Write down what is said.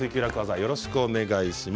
よろしくお願いします。